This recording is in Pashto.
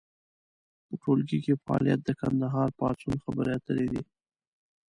په ټولګي کې فعالیت د کندهار پاڅون خبرې اترې دي.